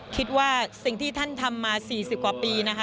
คิดว่าสิ่งที่ท่านทำมา๔๐กว่าปีนะคะ